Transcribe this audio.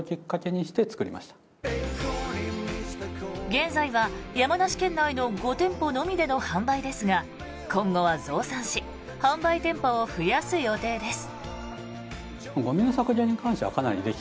現在は山梨県内の５店舗のみでの販売ですが今後は増産し販売店舗を増やす予定です。